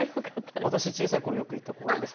私小さいころよく行った公園です。